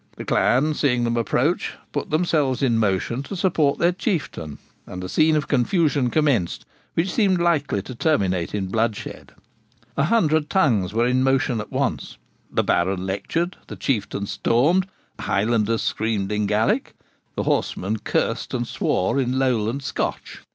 The clan, seeing them approach, put themselves in motion to support their Chieftain, and a scene of confusion commenced which seamed likely to terminate in bloodshed. A hundred tongues were in motion at once. The Baron lectured, the Chieftain stormed, the Highlanders screamed in Gaelic, the horsemen cursed and swore in Lowland Scotch.